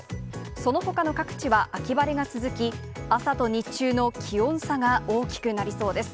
そのほかの各地は秋晴れが続き、朝と日中の気温差が大きくなりそうです。